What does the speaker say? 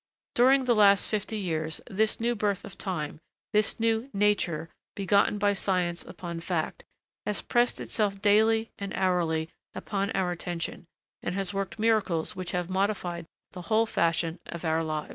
During the last fifty years, this new birth of time, this new Nature begotten by science upon fact, has pressed itself daily and hourly upon our attention, and has worked miracles which have modified the whole fashion of our lives.